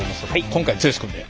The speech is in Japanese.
今回剛君で。